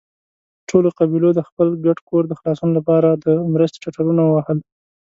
ټولو قبيلو د خپل ګډ کور د خلاصون له پاره د مرستې ټټرونه ووهل.